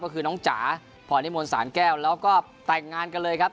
ก็คือน้องจ๋าพรนิมนต์สารแก้วแล้วก็แต่งงานกันเลยครับ